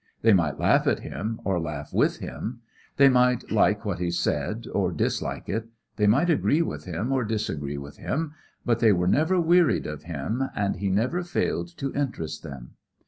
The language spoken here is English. They might laugh at him or laugh with him, they might like what he said or dislike it, they might agree with him or disagree with him, but they were never wearied of him, and he never failed to interest them.